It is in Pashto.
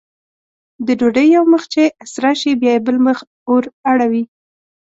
د ډوډۍ یو مخ چې سره شي بیا یې بل مخ ور اړوي.